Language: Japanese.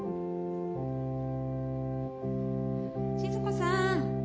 静子さん。